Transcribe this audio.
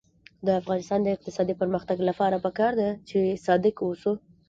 د افغانستان د اقتصادي پرمختګ لپاره پکار ده چې صادق اوسو.